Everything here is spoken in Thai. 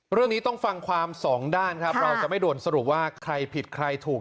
เรื่องนี้ต้องฟังความสองด้านครับเราจะไม่ด่วนสรุปว่าใครผิดใครถูก